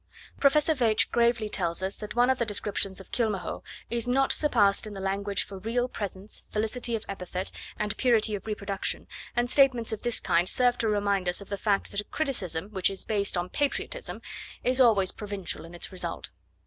Professor Veitch gravely tells us that one of the descriptions of Kilmahoe is 'not surpassed in the language for real presence, felicity of epithet, and purity of reproduction,' and statements of this kind serve to remind us of the fact that a criticism which is based on patriotism is always provincial in its result.